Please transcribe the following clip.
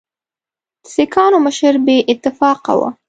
د سیکهانو مشران بې اتفاقه وه.